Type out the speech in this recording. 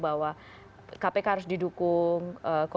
bahwa kpk harus didukung korupsi harus diberhentikan